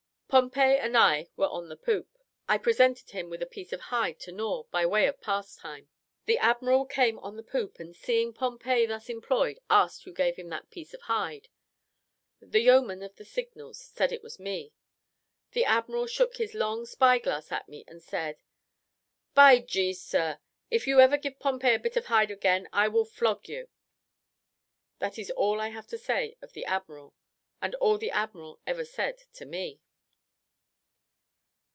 Pompey and I were on the poop. I presented him with a piece of hide to gnaw, by way of pastime. The admiral came on the poop, and seeing Pompey thus employed, asked who gave him that piece of hide? The yeoman of the signals said it was me. The admiral shook his long spy glass at me, and said, "By G , sir, if ever you give Pompey a bit of hide again, I will flog you." This is all I have to say of the admiral, and all the admiral ever said to me.